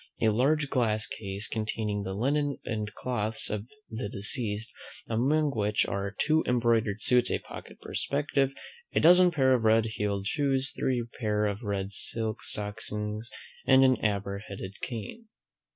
A large glass case, containing the linen and clothes of the deceased; among which are, two embroidered suits, a pocket perspective, a dozen pair of RED HEELED SHOES, three pair of RED SILK STOCKINGS, and an amber headed cane.